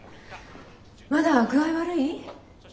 まだ具合悪い？